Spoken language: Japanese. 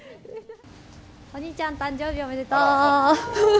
お兄ちゃん、誕生日おめでとう。